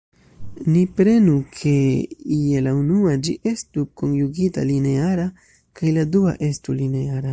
Ni prenu ke je la unua ĝi estu konjugita-lineara kaj la dua estu lineara.